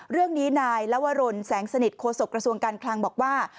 เรื่องนี้นายลวรนแสงสนิทโฆษกระทรวงการคลังบอกว่า